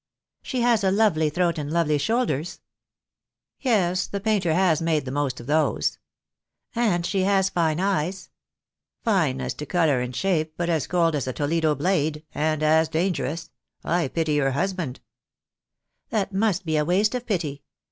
"She has a lovely throat and lovely shoulders." "Yes, the painter has made the most of those." 48 THE DAY WILL COME. "And she has fine eyes." "Fine as to colour and shape, but as cold as a Toledo blade — and as dangerous. I pity her husband." "That must be a waste of pity.